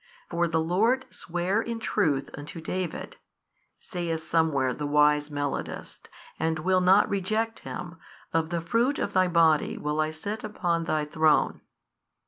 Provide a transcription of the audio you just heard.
For the Lord sware in truth unto David, saith somewhere the wise Melodist, and will not reject Him, Of |554 the fruit of thy body will I set upon thy throne.